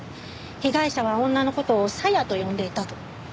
被害者は女の事を「サヤ」と呼んでいたと。